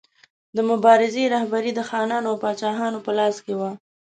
د مبارزې رهبري د خانانو او پاچاهانو په لاس کې وه.